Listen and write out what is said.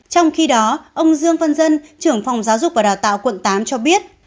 trong khi đó ông dương văn dân trưởng phòng giáo dục và đào tạo quận tám cho biết